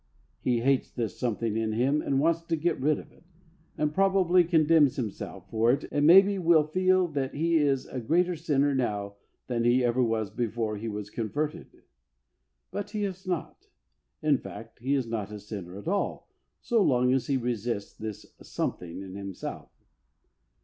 He hates this something in him and wants to get rid of it, and probably condemns himself for it and may be will feel that he is a greater sinner now than he ever was before he was converted. But DKATH OF THE OLD MAN. 3 he is not. In fact, he is not a sinner at all so long as he resists this something in himself.